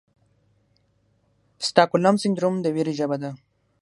سټاکهولم سنډروم د ویرې ژبه ده.